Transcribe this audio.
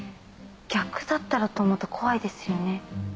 逆だったらと思うと怖いですよね。